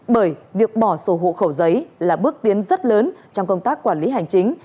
bởi việc bỏ sổ hộ khẩu giấy là bước tiến rất lớn trong công tác quản lý hành chính